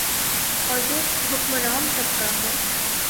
اورجو حکمران طبقہ ہے۔